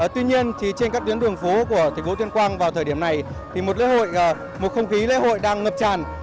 tuy nhiên trên các tuyến đường phố của thành phố tuyên quang vào thời điểm này thì một lễ hội một không khí lễ hội đang ngập tràn